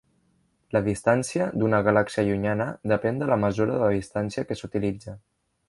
La "distància" d'una galàxia llunyana depèn de la mesura de distància que s'utilitza.